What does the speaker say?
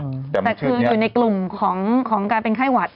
แต่คืออยู่ในกลุ่มของการเป็นไข้หวัด